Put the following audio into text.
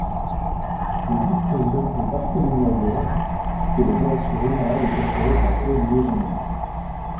Le vice-président est Barthélémy Aguerre et la direction générale est assurée par Olivier Gémin.